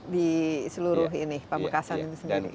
di seluruh ini pabekasan ini sendiri